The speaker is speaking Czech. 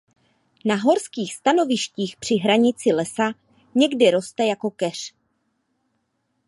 Na horských stanovištích při hranici lesa někdy roste jako keř.